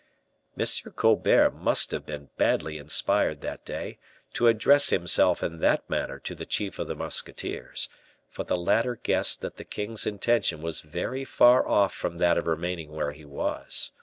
M. Colbert must have been badly inspired that day, to address himself in that manner to the chief of the musketeers; for the latter guessed that the king's intention was very far from that of remaining where he was.